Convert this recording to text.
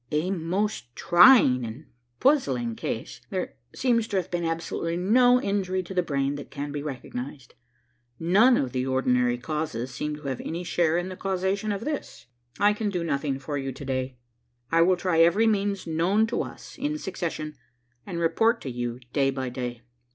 "A most trying and puzzling case. There seems to have been absolutely no injury to the brain, that can be recognized. None of the ordinary causes seem to have any share in the causation of this. I can do nothing for you to day. I will try every means known to us in succession, and report to you day by day."